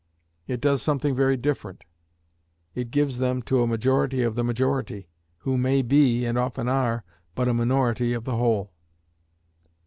It does something very different; it gives them to a majority of the majority, who may be, and often are, but a minority of the whole.